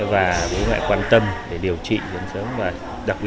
và bố mẹ quan tâm để điều trị sớm